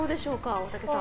大竹さん。